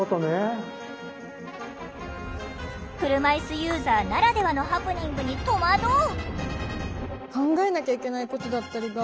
車いすユーザーならではのハプニングに戸惑う。